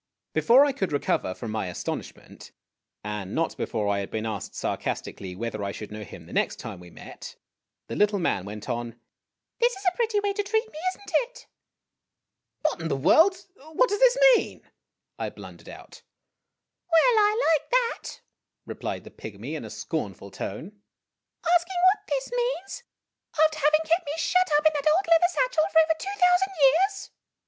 Before I could recover from my astonishment, and not before I had been asked sarcastically whether I should know him the next time w r e met, the little man went on :" This is a pretty way to treat me, is n't it ?' "What in the world what does this mean ?" I blundered out. "Well ! I like that," replied the pygmy in a scornful tone ;" ask ing what this means, after having kept me shut up in that old leather satchel for over two thousand years